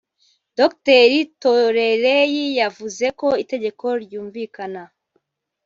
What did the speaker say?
Dr Torerei yavuze ko itegeko ryumvikana